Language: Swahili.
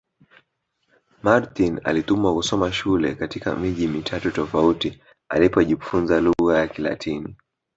Martin alitumwa kusoma shule katika miji mitatu tofauti alipojifunza lugha ya Kilatini